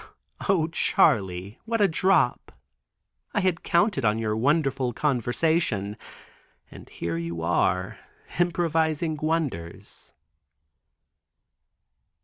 "O Charley, what a drop. I had counted on your wonderful conversion, and here are you improvising wonders."